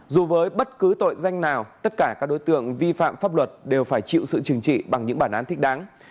dù với bất cứ tội danh nào tất cả các đối tượng vi phạm pháp luật đều phải chịu sự trừng trị bằng những bản án thích đáng